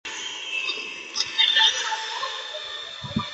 是欧洲著名的高山花卉。